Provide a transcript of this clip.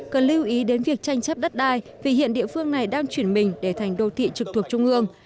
cần lưu ý đến việc tranh chấp đất đai vì hiện địa phương này đang chuyển mình để thành đô thị trực thuộc trung ương